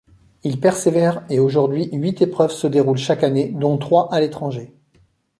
Il persévère et aujourd’hui, huit épreuves se déroulent chaque année, dont trois à l’étranger.